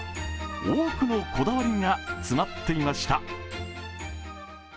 多くのこだわりが詰まっていました。